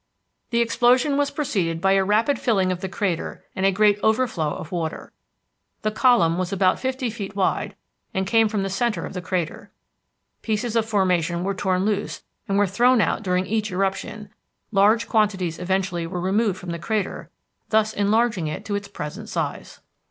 "The explosion was preceded by a rapid filling of the crater and a great overflow of water. The column was about fifty feet wide and came from the centre of the crater. Pieces of formation were torn loose and were thrown out during each eruption; large quantities eventually were removed from the crater, thus enlarging it to its present size."